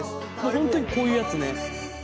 本当にこういうやつね。